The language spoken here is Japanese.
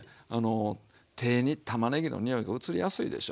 手にたまねぎのにおいがうつりやすいでしょ。